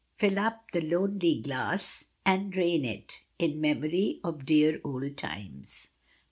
Fill up the lonely glass and drain it, In memory of dear old times.